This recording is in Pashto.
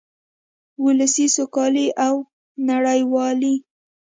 ولسي سوکالۍ او نړیوالې